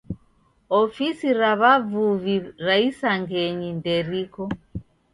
Ofisi ra w'uvuvi ra isangenyi nderiko.